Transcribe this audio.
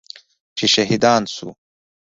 چې شهیدان شو.